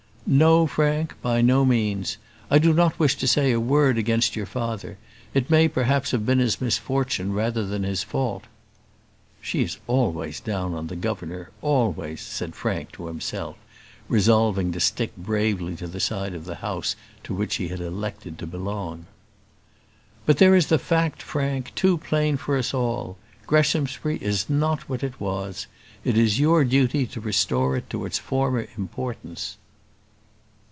"No, Frank; by no means. I do not wish to say a word against your father. It may, perhaps have been his misfortune, rather than his fault " "She is always down on the governor; always," said Frank to himself; resolving to stick bravely to the side of the house to which he had elected to belong. "But there is the fact, Frank, too plain to us all; Greshamsbury is not what it was. It is your duty to restore it to its former importance."